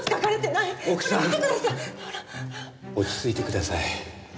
落ち着いてください。